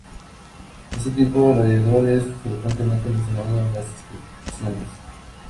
Este tipo gladiador es frecuentemente mencionado en las inscripciones.